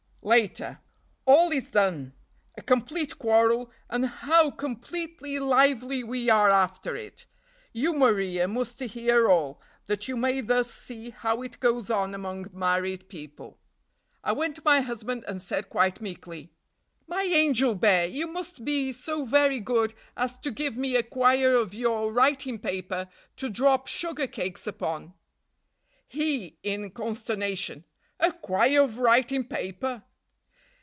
"Later. All is done! A complete quarrel, and how completely lively we are after it! You, Maria, must hear all, that you may thus see how it goes on among married people. "I went to my husband and said quite meekly, 'My Angel Bear, you must be so very good as to give me a quire of your writing paper to drop sugar cakes upon.' "He (in consternation). 'A quire of writing paper?'